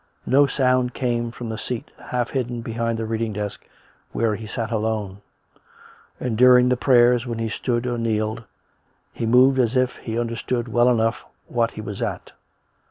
No sound came from the seat half hidden be COME RACK! COME ROPE! 85 hind the reading desk where he sat alone; and, during the prayers when he stood or kneeled, he moved as if he under stood well enough what he was at.